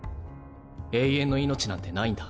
永遠の命なんてないんだ。